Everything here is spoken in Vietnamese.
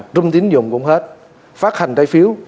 trung tín dùng cũng hết phát hành trái phiếu